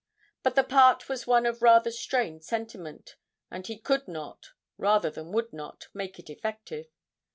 But the part was one of rather strained sentiment, and he could not, rather than would not, make it effective.